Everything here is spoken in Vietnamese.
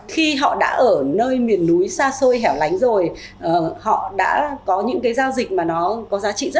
khi họ đã ở nơi miền núi xa xôi hẻo lánh rồi họ đã có những giao dịch mà nó có giá trị rất là thấp